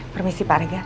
permisi pak regar